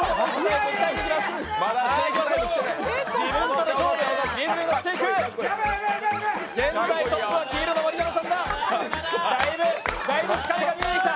自分との勝負、リズムに乗っていく現在、トップは黄色の盛山さんだ、だいぶ疲れが見えてきた。